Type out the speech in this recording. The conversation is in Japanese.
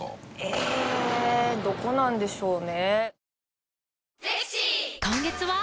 えーっどこなんでしょうね。